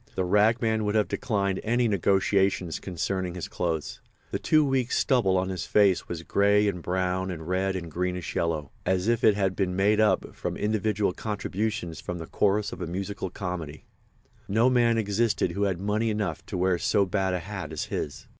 The ragman would have declined any negotiations concerning his clothes. The two weeks' stubble on his face was grey and brown and red and greenish yellow—as if it had been made up from individual contributions from the chorus of a musical comedy. No man existed who had money enough to wear so bad a hat as his.